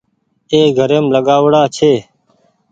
اي گھريم لآگآئو ڙآ ڇي